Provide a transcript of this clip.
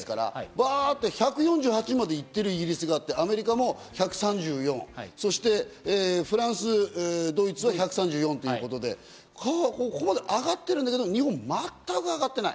バンって１４８まで行ってるイギリスがあって、アメリカも１３４、そしてフランス、ドイツは１３４ということで、ここまで上がってるんだけど、日本は全く上がってない。